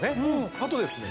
あとですね